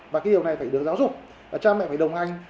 và cái điều này phải được giáo dục và cha mẹ phải đồng hành